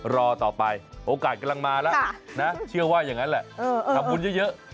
รอต่อไปโอกาสกำลังมาแล้วนะเชื่อว่าอย่างนั้นแหละทำบุญเยอะ